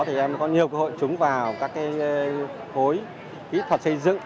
thì em có nhiều cơ hội chúng vào các khối kỹ thuật xây dựng